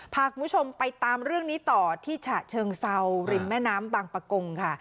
พาคุณผู้ชมไปตามเรื่องนี้ต่อที่ฉะเชิงเซาริมแม่น้ำบางปะกงค่ะ